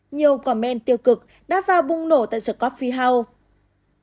nhiều comment tiêu cực đã vào bung nổ tại the coffee house